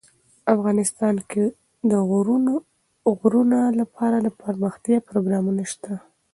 افغانستان کې د غرونه لپاره دپرمختیا پروګرامونه شته.